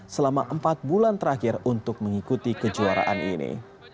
selama empat bulan terakhir untuk mengikuti kejuaraan ini